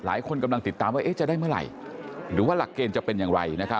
หลายคนกำลังติดตามว่าจะได้เมื่อไหร่หรือว่าหลักเกณฑ์จะเป็นอย่างไร